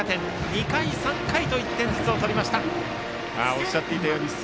２回、３回と１点ずつを取りました。